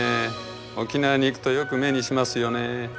沖縄に行くとよく目にしますよね。